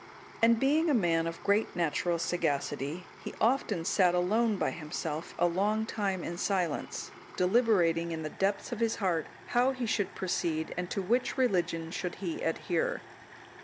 And being a man of great natural sagacity, he often sat alone by himself a long time in silence, deliberating in the depths of his heart how he should proceed, and to which religion he should adhere.